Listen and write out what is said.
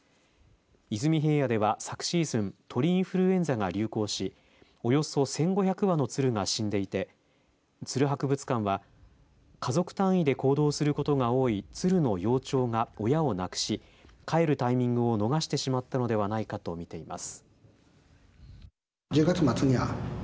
出水平野では昨シーズン鳥インフルエンザが流行しおよそ１５００羽の鶴が死んでいてツル博物館は家族単位で行動することが多い鶴の幼鳥が親をなくし帰るタイミングを逃してしまったのではないかと見ています。